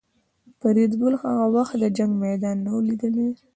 فریدګل هغه وخت د جنګ میدان نه و لیدلی